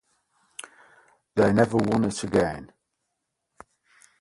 They never won it again.